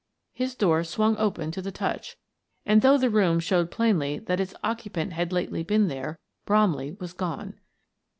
His door swung open to the touch, and though the room showed plainly that its occupant had lately been there, Bromley was gone.